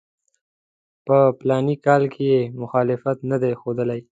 په فلاني کال کې یې مخالفت نه دی ښودلی.